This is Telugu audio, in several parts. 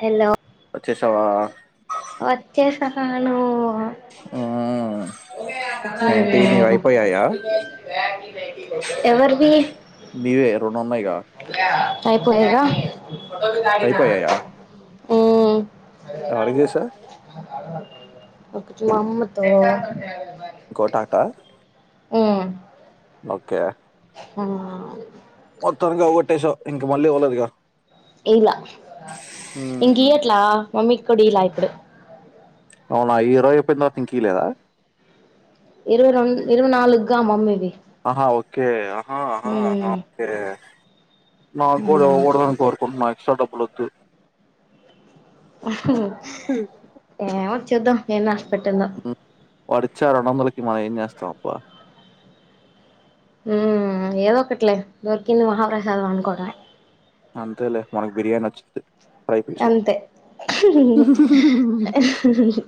హలో. వచ్చేశావ. వచ్చేసాను. మ్మ్. ఏంటి నీవి అయిపోయాయా ఎవర్వీ. నీవే రెండు ఉన్నాయిగా అ ఐపొయ్యాయా. ఫోటోషూట్ ఆగిన్నా. అయిపోయాయా ఎవరికి చేసా డు ఒచ్ మమ్మతో. గోటట. ఉమ్. ఓకే. ఉమ్. మొత్తానికి అవకోట్టేసవ్. ఇలా ఇంకియ్యట్ల. మమ్మీ కూడా ఈలా ఇప్పుడు. అవునా ఈరోజైపోయినతరవత ఇంకిలేదా. ఇరవై రెండు ఇరవై నాలు గా మమ్మీదీ. ఆహా ఓకే ఆహా ఆహా మ్మ్ ఒకే మాగూడ మ్మ్ [unintelligible] షాటప్లోద్దు. ఏమో చేద్దం ఏన్న మ్మ్ వాడు ఇచ్చాడంట మళ్ళీ మన ఏం చేస్తాం అబ్బా మ్మ్ ఏదో ఒకట్లే దొరికింది మహాప్రసాదం అనుకోవడ అంతలే మనకు బిర్యానీి వచ్చింది ఫ్రై పీస్ అంతే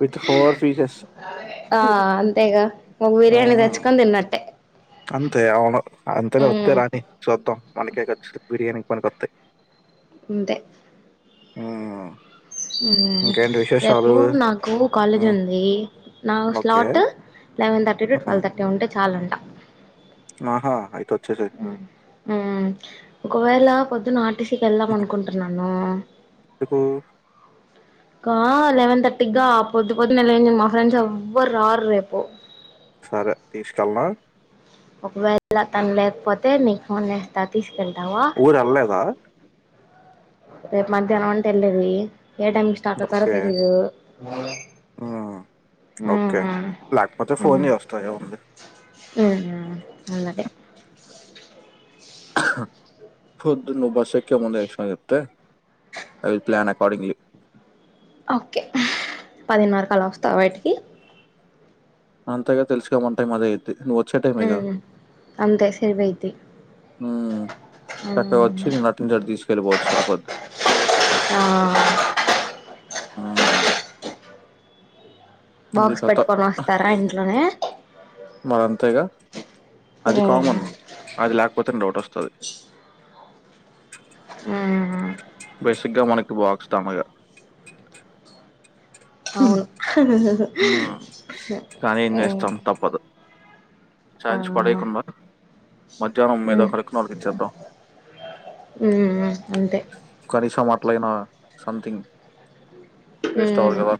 విత్ ఫోర్ పీసెస్ ఆ అంతేగా ఒక బిర్యానీ మ్మ్. తెచ్చుకొని తిన్నట్టే అంతే అవును అంతేనే వస్తే హ్మ్ రాని చూద్దాం మనకేచ్చ బిర్యానీ పని కొత్తయ్ ఉంటే మ్మ్ మ్మ్ రేపు నాకు కాలేజ్ హ్మ్. ఉంది నా okay. Slot eleven thirty to హ్మ్. ట్వెల్వ్ థర్టీ ఉంటే చాలంట ఆహా ఆయితు మ్మ్ మ్మ్ గయలా పోద్దునాటి టీ సీ కి వెళ్దాం అనుకుంటున్నాను నో ఇకు కా లెవెన్ థర్టీ గా పొద్దు పొద్దున్నే [unintelligible] లే మా ఫ్రెండ్స్ ఎవ్వరు రారు రేపు సరే తీసుకెళ్నా ఒకవేళ తను లేకపోతే నీ ఫోన్ వేస్తా తీసు ఊరు ఏళ్లలేదా రేపు మధ్యాహ్నం అంటే వెళ్లేది ఏ టైం స్టార్ట్ అవుతారో ఓకే. తెరిదు మ్మ్ హ్మ్. ఓకే. మ్మ్ లేకపోతే ఫోను మ్మ్ చేస్తా ఏముంది. హ్మ్ హు ఉన్నదే పొద్దునా నువ్వు బస్ ఎక్కే ముందే [unintelligible] చెప్తే I will plan accordingly okay పదిను వరకలా వస్తా బయటికి అంతేగా తెలుసుగా ఉంటాయి అదే ఇది ను వచ్చే టైమే గద అంతే సరిపోయిద్ది మ్మ్ చక్కగా వచ్చి నేను అటు నుండి అటు తీసుకెళ్ళిపోవచ్చు సరిపొద్ది బోక్స్ పెట్టుకొని వస్తారా ఇంట్లోనే మరి అంతేగా అది కామన్ అది లేకపోతే నే డౌట్ వస్తది బస్ ఇంగ మనకి బాక్స్ తమగా అవును మ్మ్. మ్మ్ చయించి పడేయకుండా, మధ్యాహ్నం మీద కలెక్కున వళ్కి ఇచ్చేద్దాం. అంతే కనీసం ఆ ట్లయినా, సంథింగ్. వేస్ట్ అవ్వదు కదా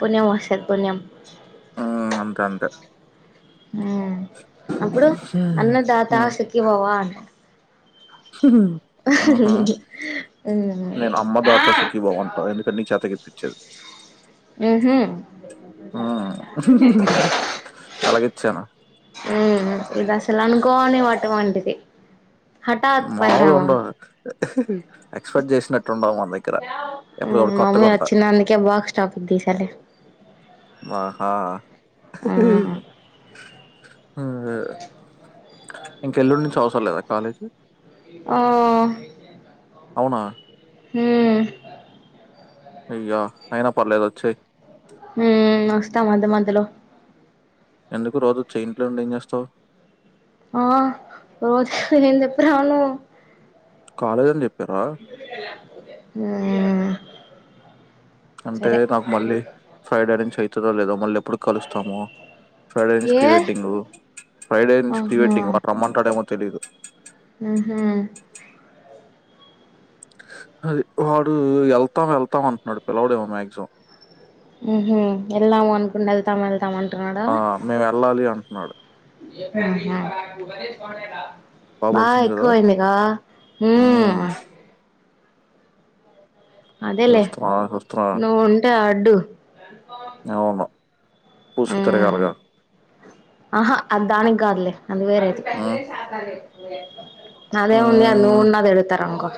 పుణ్యమొస్తది పుణ్యం. అ ఉమ్, అంతే అంతే. ఉమ్ అప్పుడు, అన్న దాతా మ్మ్. సుఖీభవ అంటర్. ఆ హా, హ్మ్ నేను అమ్మదాత సుఖీభవ అంటా. ఎందుకంటే నీ చేత ఇప్పిత్ చదు ఉమ్ హు, మ్మ్. ఎలాగిచ్చాను ఇదసలు అనుకోని వా అలాంటిది. మావులుగుండదు? ఎక్స్పెక్ట్ చేసినట్టు ఉండవు మన దగ్గర, ఎప్పుడు ఒక హ్మ్ మమ్మీ కొత్తగుంటయ్. వచ్చింది అందుకే బాక్స్ టాపిక్ తీసాలే ఆహా. హ్మ్ ఇంగ ఇంక ఎల్లుండి నుంచి అవసర్ లేదా కాలేజు? ఆ అవునా! హుమ్. అయ్యా, అయినా పర్లేదు వచ్చేయి. ఉమ్, వస్తా మధ్య మధ్యలో. ఎందుకు? రోజు వచ్చేయి, ఇంట్లో ఉండి ఏం చేస్తావ్? ఆ, రోజు ఏం చెప్పి రావాలో? కాలేజ్ అని చెప్పారా? ఉమ్ అంటే, నాకు మళ్ళీ ఫ్రైడే నుంచి అయ్ తదో లేదొ? మల్లెప్ ప్పుడు కలుస్తామో? ఫ్రైడే నుంచి ఏ ప్రీ వెెడ్డింగూ. ఫ్రైడే నుంచి ప్రీ ఆహా వెెడ్డింగ్, వాళు రమ్మంటారొ ఏమో తె తెలీదు. ఊహూ అది వాడు ఏళ్తాం ఏళ్తాం అంటున్నాడు, పిల్లవడేమో మాక్సిమం. ఉహు, వెళ్దాం అనుకొని ఎళ్తాం ఎళ్ ఆ, మేమెళ్ళాలి అన్ అంటున్నాడు. ఆహా! బాగ బాగోలిసింది కదా! ఎక్కువయిందిగా? హు హ్మ్. అదేలేే, చూస్తున్నా చూస్తున్నా నువ్వు ఉంటె ఆడ్ అడ్డు అవును పూసుకు ఉమ్ తిరగాలిగా ఆహా అది దానికి కాదులె అది వేరేది హ్మ్. అదేముంది హ్మ్. నువ్వున్నా తిడతారే అనుకో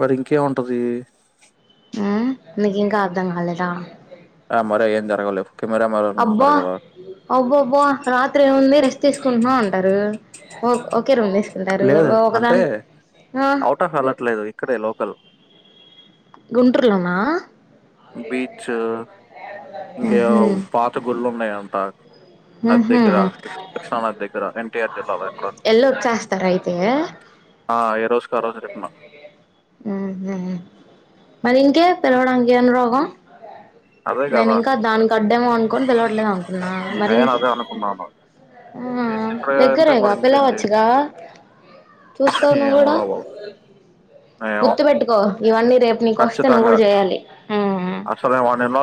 మరి ఇంకే ఉంటది హు నికి ఇంకా అర్థం కాలేదా ఆ మాదిరేం జరగవులే అబ్బా అబ్బబ్బా రాత్రి ఏముంది రెస్ట్ తీసుకుంటున్నామ్ అంటారు ఒ ఒ లేదు అంటే ఆ అవుట్ ఆఫ్ ఎళ్లట్లేదు ఇక్కడే లోకల్ గుంటూరులో నా బీచ్ ఇంకా ఏవో ఉహు పాత గుళ్ళు ఉన్నాయంట నది దగ్గర ఉహు కృష్ణా నది దగ్గర ఎన్టీఆర్ జిల్లాలో ఇక్కడ ఎళ్ళొచ్చేస్తారు అయితే ఆ ఏ రోజు కా రోజు చెప్పిన ఊహు మరి ఇంకే పిలవడానికి ఏం రోగం అదే నేను గదా! ఇంక దానికి అడ్డేమో అనుకొని పిలవట్లేదు అనుకున్నా మరి నేను అదే అనుకున్నాను. ఆ ఇక్కడ అంటే దగ్గరేగా మరి ఇంకేంటి? పిలవచ్చుగా చూస్తావు నువ్ కూడా ఏమోరా బాబు! ఏమో గుర్తు పెట్టుకో ఇవన్ని రేపు నీకు వస్తే నువ్వు ఖచ్చితంగా. కూడా చేయాలి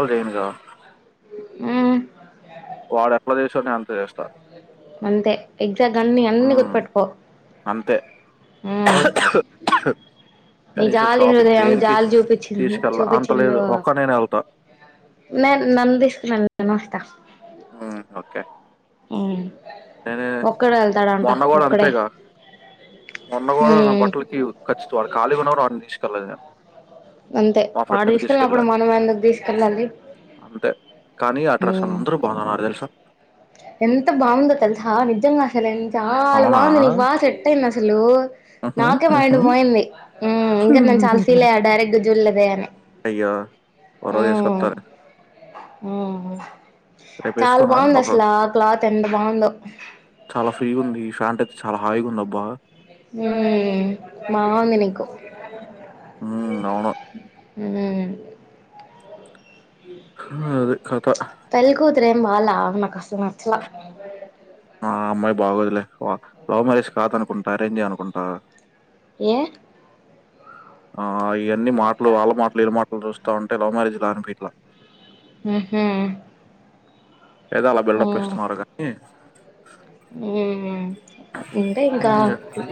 ఏంది కావాలి ఉ వాడ అట్లా చేసుని అం అంతే ఎగ్జాక్ట్ అన్ని అన్ని హ్మ్. గుర్తుపెట్టుకో అంతే. ఉ నీ కనీసం జాలి షాపింగ్ హృదయం దేనికి జాలి చూపించి తీసుకెళ్ళ. అంత చూపించింది లేదు. ఒక్కడినే ఎళ్తా. నే నన్ తీస్కొనేల్ [unintelligible] నేనొస్తా ఉ ఓకే ఉ ఏరె [unintelligible] మొన్నగూడ ఒక్కడే అంతేగా మొన్నగోడ నా హ్మ్ బట్టలకి ఖచ్చితడు ఖాళీ ఉన్న వాన్ని తీసుకెళ్ళదు నేను అంతే మా వాడు ఫ్రెండ్‌ని తీసుకెళ్ళినప్పుడు తీసుకెళ్ళా. మనం ఎందుకు తీసుకెళ్ళాలి అంతే. కానీ ఆ ఉ డ్రెస్ అందరూ బాగున్నారు తెలుసా? ఎంత బాగుందో తెలుసా నిజంగా తేలన్ చాలా అవునా? బావుంది నీకు బాగా సెట్ అయింది తెలుసా లో హుహు. నాకే మైండ్ హుహు. పోయింది ఇంక నేను చాలా ఫీల్ అయ్యా డైరెక్ట్ చుల్లెదే అని అయ్యో! ఓ రోజు యేసుకొత్తాలే. చాలా రేపేసుకోనా? బావుంది ఒక అసలఆ క్లాత్ ఎంత బావుందో ఫ్రీ ఉంది ఫ్యాంట్ అయితే చాలా హాయిగా ఉందబ్బా హుమ్ బావుంది నీకు హుమ్ ఔను హుమ్ అది కథ. పెళ్లి కూతురు ఏం బాల ఆమె నాకసల్ నచ్చలా ఆ అమ్మాయి బాగోదులే. లవ్ మ్యారేజ్ కాదనుకుంటా అరేంజే అనుకుంటా ఏ ఆ ఆ ఇయన్ని మాటలు వాళ్ళ మాటలు వీళ్ళ మాటలు చూస్ తొంటే లవ్ మ్యారేజ్లా అనిపిట్లా ఉహు ఏదో అలా బిల్డప్ ఇస్తున్నాడు గానీ హుమ్ అంటే ఇంకా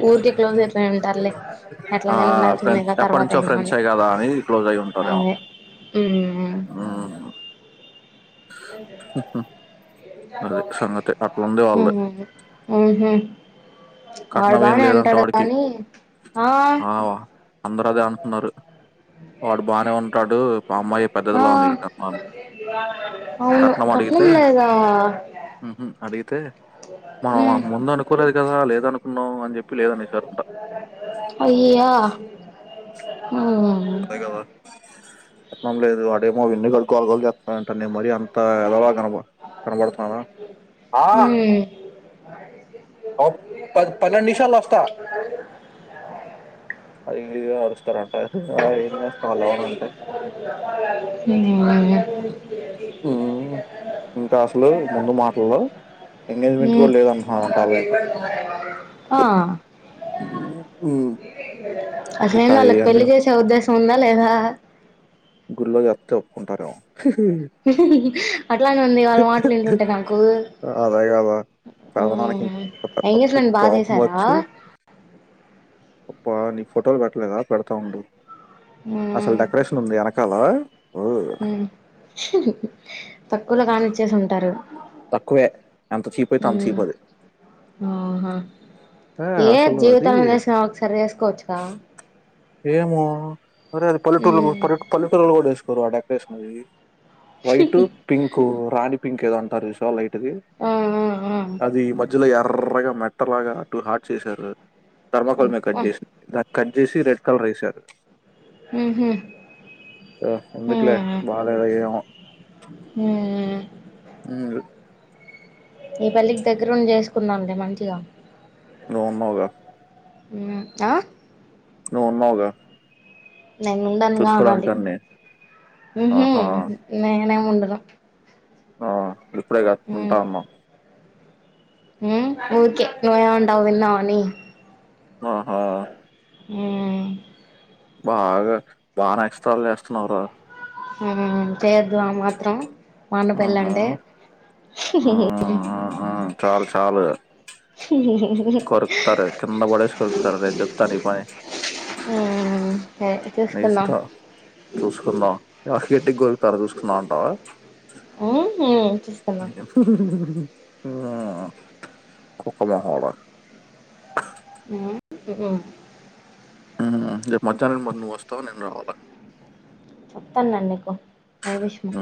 ఊరకే క్లోజ్ అయిపో ఉంటారులే ఆ ఎట్లాగానే ఉండాల్సిందే ఫ్రెండ్స్ గా ఎప్పటి తర్వాత నుంచో అయినా అని ఫ్రెండ్సే కదా అని క్లోజ్ అయి ఉంటారేమో అదే హుమ్ ఉమ్. ఏంటత అది సంగతి అట్లుంది హుమ్ వాళ్ళది హు హు కట్నం ఏం లేదంటా వాడికి కానీ ఆ అందరు అదే అంటున్నారు వాడు బానే ఉంటాడు అమ్మాయి ఆ పెద్దదిలా ఉంది అంట అవును కట్నం అడిగితే లేదా ఉహు అడిగితే ఉమ్ మనం ముందే అనుకోలేదు కదా లేదను ను అయ్యా ఉమ్ అదే కదా కట్నం లేదు వాడేమో వెన్నిలాల్ గోలగోల చెత్తా ఉంటాడు నేను మరి అంత ఎదవా లాగ కనబడతాన అ నిమిషాల్లో వస్తా హిందీ గూడ ఆడిస్తారంటే ఆది మాములుగా ఇన్వెస్ట్ ఫాలో అవ్వాలంటే ఉమ్ హుమ్ ఇంకా అసలు ముందు మాటల్లె ఎంగేజ్మెంట్ లో ఉమ్ కూడా లేదనుకున్నరంట ఆలైతే ఆ అ అట్లైతే ఆలకు పెళ్ళి చేసే ఉద్దేశ్యం ఉందా లేదా గుళ్లో చప్తే ఒప్పుకుంటారేమో అట్లానే ఉంది వాళ్ళ మాటలు వింటుంటే నాకు అదే కదా పెదనాన్నకి హ్మ్మ్ ఇంకా పెద్ద ఎంగేజ్మెంట్ బా కోపం చేసారా? వచ్చి అబ్బా నీకు ఫోటోలు పెట్టలేదా? పెడతా ఉండు అసలు మ్మ్ డెకొరేషన్ ఉంది కల తక్కువలో కానిిచ చ్చేసి ఉంటారు తక్కువే ఎంత చీప్ అయితే అంత చీప్ హ్మ్మ్ అది ఆహా ఏ అసలు అది జీవితంలో వేసినా ఒకసారి వేసుకోవచ్చుగా ఏమో సరే పల్లెటూరు పల్లె పల్లె టూరు కూడా వేసుకోరు అడే కృష్ణజ [unintelligible] వైటు పింకు రాణి పింక్ ఏదో అంటారు చాల [unintelligible] ఆ ఆ ఆ అది మధ్యలో ఏర్రగా మెట్టలాగా అటు హాట్ చేశారు థర్మాకోల్ మే కట్ అబ్బా చేసి కట్ చేసి రెడ్ కలర్ వేసారు మ్హూ ఆ ఎందుకులే మ్మ్ బాలేదు ఏమో మ్మ్ అ [unintelligible] నీ పెళ్లి కి దగ్గర ఉండి చేసుకుందాంలే మంచిగా నువ్వు ఉన్నావుగా ఆ నువున్నావుగా నేను ఉండనుగా అనాలి ఆ ఆహా హ్మ్మ్ నేనేం ఉండను ఆ ఇప్పుడే కట్టుకుంటా అన్నావ్ హ్మ్మ్ ఊకే నువేం అంటావో విందాం అని ఆహా హ్మ్మ్ బాగా బాగా ఎక్సట్రాలు చేస్తున్నావు రా హ్మ్మ్ చేత ఆ మాత్రం మా అన్న ఆహా పెళ్లంటే ఆ, ఆ, ఆ. చాలు చాలు కొరుకుతారు కింద పడేసి కొరుకుతారు చెప్తా నీ పని అ నేస్కో చూసుకుందాం హస్కెటి గోల్కడా చూసుకుందాం అంటవా హ్మ్ హ్మ్ చూసుకుందాం నియం ఉహు కుక్కలెహడో ఉహ్ ఉహు హు రేపు మధ్యానం నువోస్తావా. నేన్ రావాలా చెప్తాడి నీకు ఏ విషయమో ఆ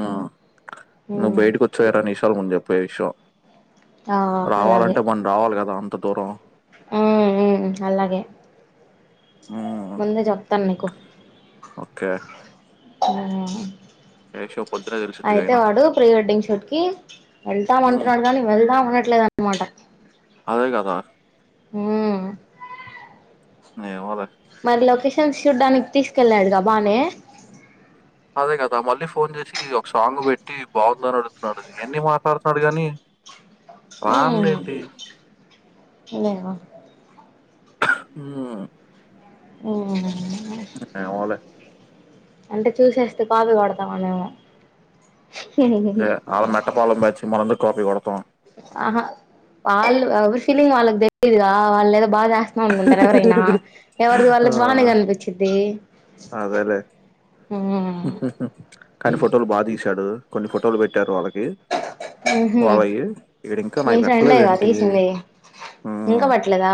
నువ్వు హ్మ్ బయిటికొచ్చాయ్. రేడిషల్ ముందే పేషో ఆ రావాలంటే మన రావాలి కదా అం తో దురో ఆ హు అలాగే ముందే జెప్తాన్ నీకు ఒకే హుహు పొద్దునే తెలిసిద్ది అయితే అయినా వాడు ప్రీ వెడ్డింగ్ షూట్ కి ఉమ్, వెళ్తామంటున్నాడు. కానీ వెళ్దాం అనట్లేదనమాట అదే కదా ఉహు నేవోలే మరి లొకేషన్ శుడానికి తీసుకెళ్ళాడుగా బానే అదే కదా మళ్ళీ ఫోన్ చేసి, ఒక సాంగ్ పెట్టి బావున్నారా అడుగుతున్నాడు. ఎన్ని మాట్లాడుతున్నాడు గాని. హు హు ఏలైవా హు ఓహు హేవోలె అంటే చూసేస్తే కాపీ కొడ్తామానేమో సే అవున్ నాట్ట పాలం బ్యాచీ మనమెందుకు కాపీ కోడ ఆహా వాళ్ళు ఎవర్ ఫిలింగ్ వాళ్ళకి తెలిదుగా ఆ వాళ్ళ లేదా బాద్ మహుకుంటారు. ఎవరైనా ఎవరిది ఆ వాళ్ళకి బానే కనిపించిది. అదేలే హు ఆ కానీ ఫోటోలు బాగా తీసాడు కొన్ని ఫోటోలు పెట్టారు. వాళ్ళకి ఉహు వాళ్లయి ఈడు ఇంకా మీ నాయ్ ఫ్రెండేగా పెట్లేదేంటి. తీసింది హు ఇంకా ఆ పట్టలేదా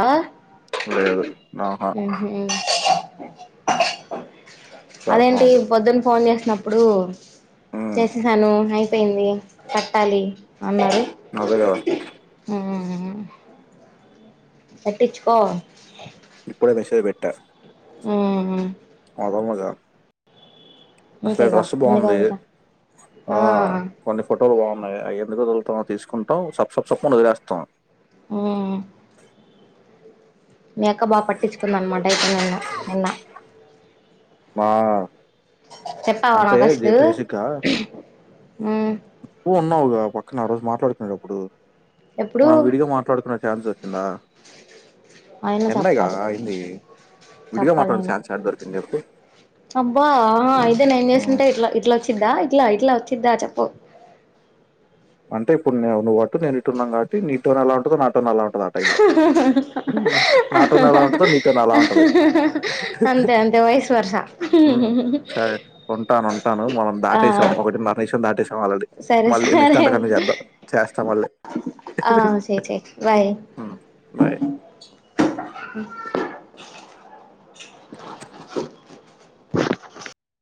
లేదు నః ఉహు పెడతా అదేంటి ఉండు పొద్దున ఫోన్ చేస్ అప్పుడు ఉమ్ చేసేసాను అయిపోయింది కట్టాలి అదే కదా ఆ కటిచ్చుకో ఇప్పుడే మెసేజ్ పెట్టా ఆ పమగా అసలే అంతేగా డ్రస్ ఎందుకు బాగుంది వదులుతా ఆ కొన్ని ఫో లు బాగున్నాయి ఎందుకు వదులుతా తీసుకుంటాం సప్ సప్ సప్ అని వదిలేస్తాం. హ్మ్మ్ మీ అక్క బా పట్టించుకుంద అనమాట అయితే నిన్న నిన్న బా చెప్పావా నాక్ అసలు మ్ నువ్వు ఉన్నావుగా పక్కన ఆ రోజు మా ట్లాడు కునేటప్పుడు ఎప్పుడు అయినా నిన్నేగా చెప్పాలి అయింది విడిగా చెప్పాలి మాట్లాడే అయనా ఛాన్స్ యాడ దొరికింది చెప్పు అబ్బా అయితే నేను ఉమ్. చేసుంటే ఇట్లా ఇట్లా వచ్చిదా ఇట్లా ఇట్లా వచ్చిదా చెప్పు అంటే ఇప్పుడు నువ్వు అట్టు నేను ఇటు ఉన్నాం కాబటిీ నీతో ని ఎలా ఉంటుందో నా టోన్ అలా ఉంటుంది ఆ టైంలో నా టోన్ ఎలా ఉంటుందో నీ టోన్ అలా ఉంటది అంతే అంతే వయసు వరస ఉమ్, సరే ఉంటాను ఉంటాను మనం దాటేసాం ఒకటిన్నర నిమిషం దాటేసాం ఆల్రెడీ మళ్ళీ నెక్స తంటకన్న చేద్దాం చేస్తా మళ్ళీ ఆ చెయ్ చెయ్ బాయ్ హ్మ్మ్ బాయ్